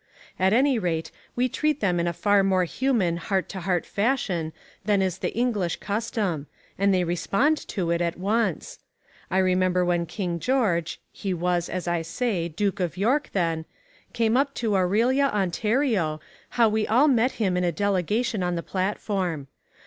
At any rate we treat them in a far more human heart to heart fashion than is the English custom, and they respond to it at once. I remember when King George he was, as I say, Duke of York then came up to Orillia, Ontario, how we all met him in a delegation on the platform.